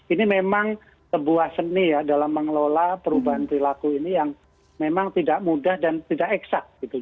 ini memang sebuah seni ya dalam mengelola perubahan perilaku ini yang memang tidak mudah dan tidak eksak gitu